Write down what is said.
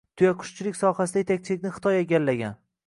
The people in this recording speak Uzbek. Tuyaqushchilik sohasida yetakchilikni Xitoy egallagan.